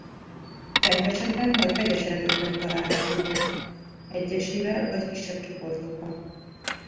Fenyvesekben vagy vegyes erdőkben található meg egyesével vagy kisebb csoportokban.